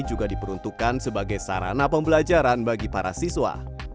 juga diperuntukkan sebagai sarana pembelajaran bagi para siswa